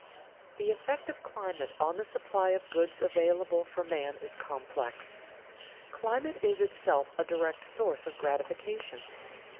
_ The effect of climate on the supply of goods available for man is complex. Climate is itself a direct source of gratification.